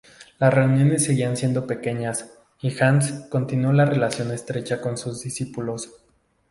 Las reuniones seguían siendo pequeñas, y Hans continuó la relación estrecha con sus discípulos.